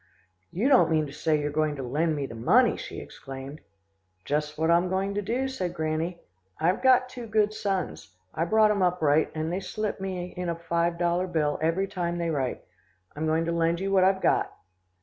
"'You don't mean to say you're going to lend me the money,' she exclaimed. "'Just what I'm going to do,' said Granny. 'I've two good sons. I brought 'em up right, and they slip me in a five dollar bill every time they write. I'm going to lend you what I've got.